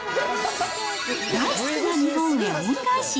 大好きな日本へ恩返し！